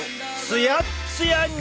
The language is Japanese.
ツヤッツヤに！